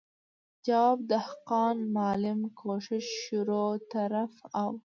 جواب، دهقان، معلم، کوشش، شروع، طرف او ...